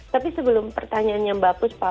tapi sebelum pertanyaannya mbak puspa